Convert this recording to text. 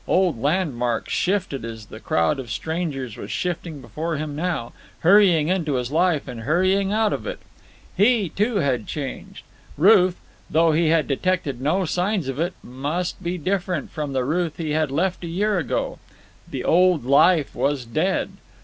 Old landmarks shifted as the crowd of strangers was shifting before him now, hurrying into his life and hurrying out of it. He, too, had changed. Ruth, though he had detected no signs of it, must be different from the Ruth he had left a year ago. The old life was dead.